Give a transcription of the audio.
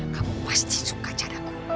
kamu pasti suka caraku